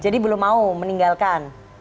jadi belum mau meninggalkan